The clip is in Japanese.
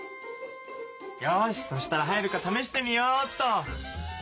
よしそしたら入るかためしてみようっと。